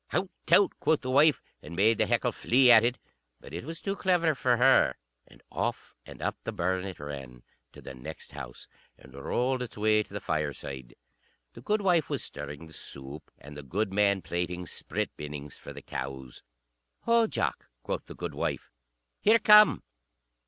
"Hout, tout," quoth the wife, and made the heckle flee at it. But it was too clever for her. And off and up the burn it ran to the next house, and rolled its way to the fireside. The goodwife was stirring the soup, and the goodman plaiting sprit binnings for the cows. "Ho, Jock," quoth the goodwife, "here come.